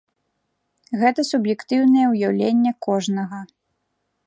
Гэта суб'ектыўнае ўяўленне кожнага.